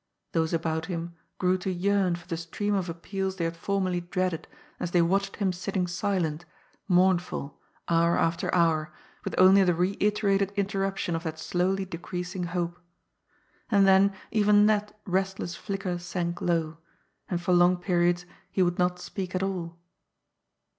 " Those about him grew to yearn for the stream "^ of appeals they had formerly dreaded as they watched him sitting silent, mournful, hour after hour, with only the re iterated interruption of that slowly decreasing hope. And then even that restless flicker sank low, and for long periods he would not speak at all.